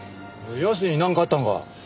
ヤスになんかあったのか？